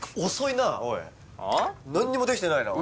なんにもできてないな。